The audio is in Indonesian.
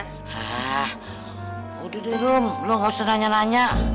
hah udah deh num lo gak usah nanya nanya